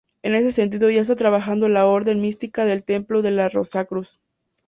En ese sentido ya está trabajando la Orden Mística del Templo de la Rosacruz.